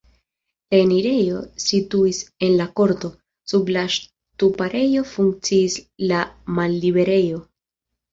La enirejo situis en la korto, sub la ŝtuparejo funkciis la malliberejo.